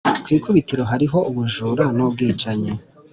kwikubitiro hariho ubujura nubwicanyi